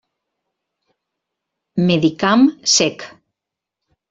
Medicam Sec.